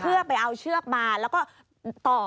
เพื่อไปเอาเชือกมาแล้วก็ต่อ